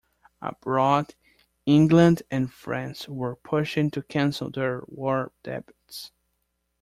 Abroad, England and France were pushing to cancel their war debts.